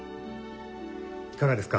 いかがですか？